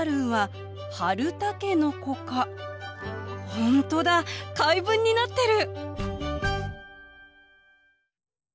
本当だ回文になってる！